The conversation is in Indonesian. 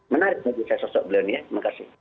menarik tadi saya sosok beliau nih ya terima kasih